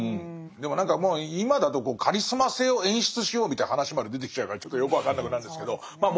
でも何かもう今だとカリスマ性を演出しようみたいな話まで出てきちゃうからちょっとよく分かんなくなるんですけどまあ